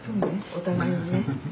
お互いね。